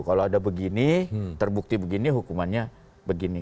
kalau ada begini terbukti begini hukumannya begini